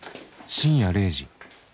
深夜０時。